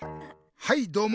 はいどうも！